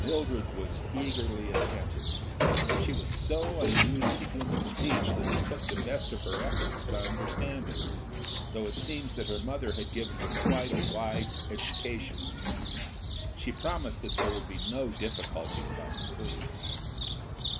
Mildred was eagerly attentive: she was so unused to human speech that it took the best of her efforts to understand us, though it seems that her mother had given her quite a wide education. She promised that there would be no difficulty about the food.